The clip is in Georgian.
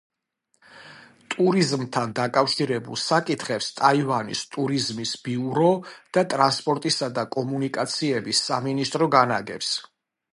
ტურიზმთან დაკავშირებულ საკითხებს ტაივანის ტურიზმის ბიურო და ტრანსპორტისა და კომუნიკაციების სამინისტრო განაგებს.